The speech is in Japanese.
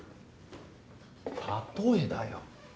例えだよ。